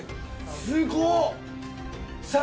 すごっ。